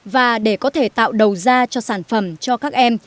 và để có thể tạo đầu ra cho sản phẩm cho các em